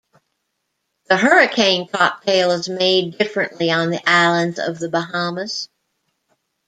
The hurricane cocktail is made differently on the islands of the Bahamas.